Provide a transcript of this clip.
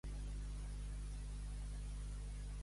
Pare Nostre qui va al bosc a cavall amb una post.